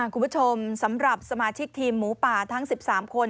คุณผู้ชมสำหรับสมาชิกทีมหมูป่าทั้ง๑๓คน